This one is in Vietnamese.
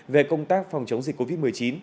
về công tác phòng chống dịch covid một mươi chín